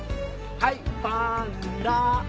はいパンダ！